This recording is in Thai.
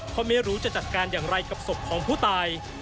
เพราะไม่รู้จะจัดการอย่างไรกับศพของผู้ตาย